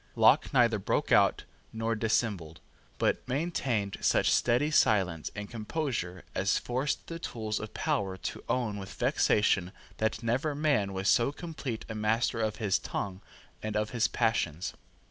Locke neither broke out nor dissembled, but maintained such steady silence and composure as forced the tools of power to own with vexation that never man was so complete a master of his tongue and of his passions.